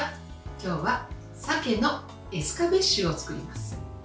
今日は鮭のエスカベッシュを作ります。